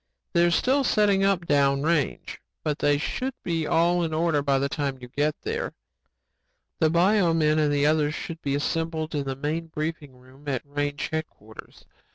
They're still setting up down range but they should be all in order by the time you get there. "The bio men and the others should be assembled in the main briefing room at range headquarters.